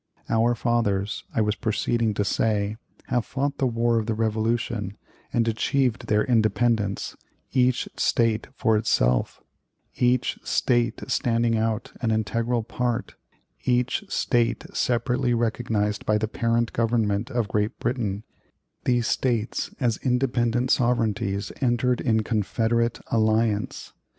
Our fathers, I was proceeding to say, having fought the war of the Revolution, and achieved their independence each State for itself, each State standing out an integral part, each State separately recognized by the parent Government of Great Britain these States as independent sovereignties entered into confederate alliance.